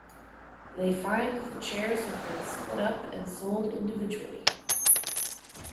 They find that the chairs have been split up and sold individually.